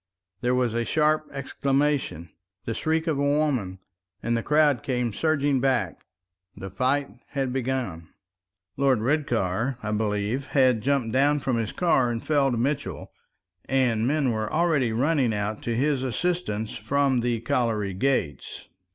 There was a sharp exclamation, the shriek of a woman, and the crowd came surging back. The fight had begun. Lord Redcar, I believe, had jumped down from his car and felled Mitchell, and men were already running out to his assistance from the colliery gates.